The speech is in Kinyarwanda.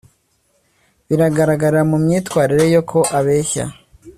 Bigaragarira mu myitwarire ye ko abeshya